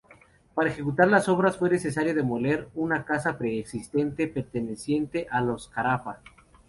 Para ejecutar las obras fue necesario demoler una casa preexistente perteneciente a los Carafa.